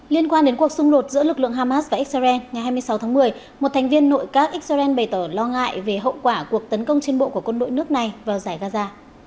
liên quan đến cuộc xung đột giữa lực lượng hamas và israel ngày hai mươi sáu tháng một mươi một thành viên nội các israel bày tỏ lo ngại về hậu quả cuộc tấn công trên bộ của quân đội nước này vào giải gaza